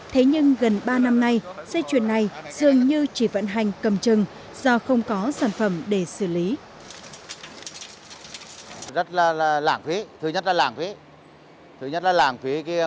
thế nhưng gần ba năm nay dây chuyền này dường như chỉ vận hành cầm chừng do không có sản phẩm để xử lý